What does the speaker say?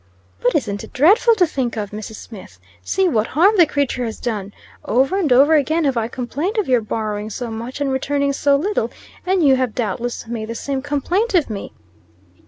"But isn't it dreadful to think of, Mrs. Smith? See what harm the creature has done! Over and over again have I complained of your borrowing so much and returning so little; and you have doubtless made the same complaint of me."